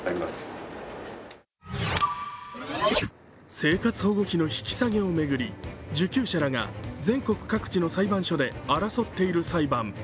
生活保護費の引き下げを巡り受給者らが全国各地の裁判所で争っている裁判。